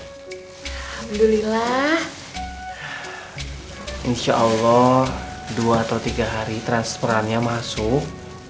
alhamdulillah insyaallah dua atau tiga hari transferannya masuk